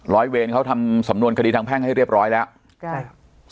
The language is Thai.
ร้อยเวรเขาทำสำนวนคดีทางแพ่งให้เรียบร้อยแล้วใช่